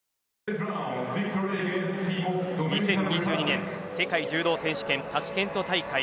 ２０２２年世界柔道選手権タシケント大会